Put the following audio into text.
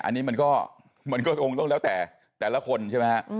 อันนี้มันก็มันก็คงต้องแล้วแต่แต่ละคนใช่ไหมฮะ